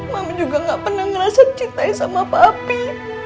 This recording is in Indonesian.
mami juga nggak pernah ngerasa cintai sama papi